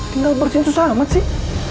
tinggal bersihin susah amat sih